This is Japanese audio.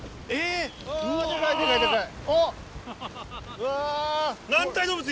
うわ！